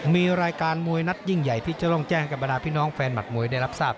มีรายการมวยนัดยิ่งใหญ่ที่จะต้องแจ้งกับบรรดาพี่น้องแฟนหัดมวยได้รับทราบ